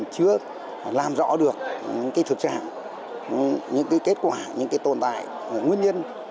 chưa làm rõ được những thực trạng những kết quả những tồn tại nguyên nhân